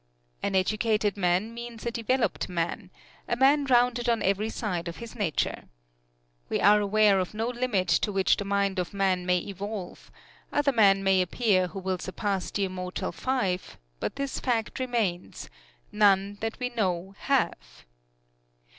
An educated man means a developed man a man rounded on every side of his nature. We are aware of no limit to which the mind of man may evolve; other men may appear who will surpass the Immortal Five, but this fact remains: none that we know have.